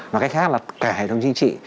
và cái khác là cả hệ thống chính trị